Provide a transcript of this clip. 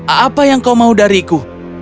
apa yang kau mau dariku